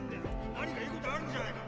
何か言う事あるんじゃねえか？